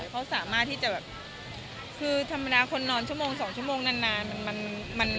เขาสามารถที่จะแบบคือธรรมดาคนนอนชั่วโมง๒ชั่วโมงนาน